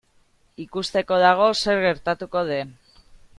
Ikusteko dago zer gertatuko den.